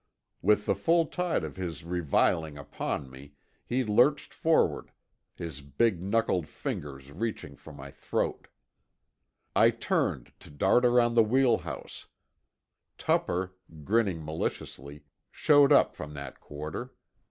With the full tide of his reviling upon me, he lurched forward, his big knuckled fingers reaching for my throat. I turned to dart around the wheel house; Tupper, grinning maliciously, showed up from that quarter.